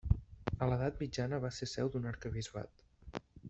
A l'edat mitjana va ser seu d'un arquebisbat.